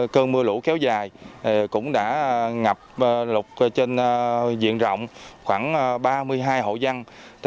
cơn mưa lũ kéo dài cũng đã ngập lục trên diện rộng khoảng ba mươi hai hộ dân